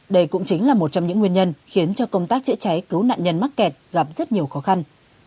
đây cũng chính là một trong những nguyên nhân khiến cho công tác chữa cháy cứu nạn nhân mắc kẹt gặp rất nhiều khó khăn